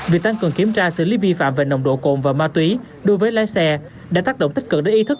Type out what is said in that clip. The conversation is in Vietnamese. việc tăng cường kiểm tra xử lý vi phạm về nồng độ cồn và ma túy đối với lái xe đã tác động tích cực đến ý thức